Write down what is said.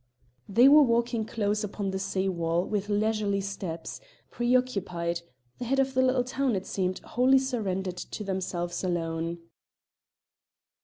They were walking close upon the sea wall with leisurely steps, preoccupied, the head of the little town, it seemed, wholly surrendered to themselves alone.